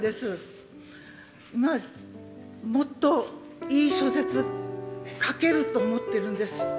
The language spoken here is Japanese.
今もっといい小説書けると思ってるんです。